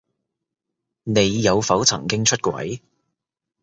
你有否曾經出軌？